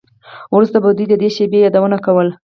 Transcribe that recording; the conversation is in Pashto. وروسته به دوی د دې شیبې یادونه کوله